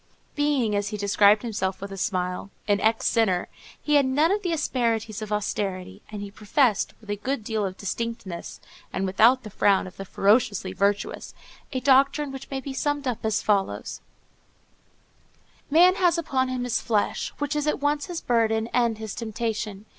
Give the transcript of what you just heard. Being, as he described himself with a smile, an ex sinner, he had none of the asperities of austerity, and he professed, with a good deal of distinctness, and without the frown of the ferociously virtuous, a doctrine which may be summed up as follows:— "Man has upon him his flesh, which is at once his burden and his temptation.